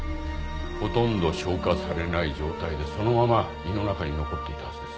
ほとんど消化されない状態でそのまま胃の中に残っていたはずです。